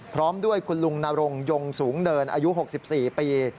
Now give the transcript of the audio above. พร้อมด้วยคุณลุงนรงยงสูงเนินอายุ๖๔ปี